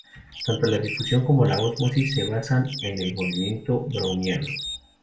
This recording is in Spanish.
Tanto la difusión como la ósmosis se basan en el movimiento browniano.